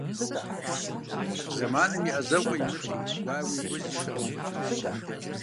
Зэманым и Ӏэзэгъуэ имыт гуауи узи щыӀэу къыщӀэкӀынкъым.